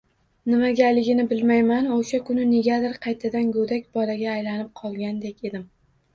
Nimagaligini bilmaymanu, o‘sha kuni negadir qaytadan go‘dak bolaga aylanib qolgandek bo‘ldim.